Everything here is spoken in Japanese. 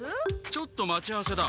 ちょっと待ち合わせだ。